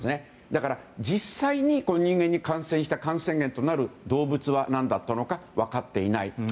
だから、実際に人間に感染した感染源となる動物は何だったのか分かっていない。